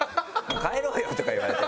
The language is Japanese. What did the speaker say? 「帰ろうよ」とか言われて。